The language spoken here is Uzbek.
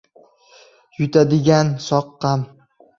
— Yutadigan soqqam!